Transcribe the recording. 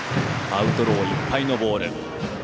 アウトローいっぱいのボール。